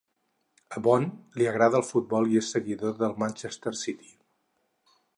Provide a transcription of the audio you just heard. A Bond li agrada el futbol i és seguidor del Manchester City.